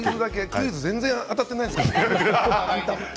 クイズは全然当たっていないですけど。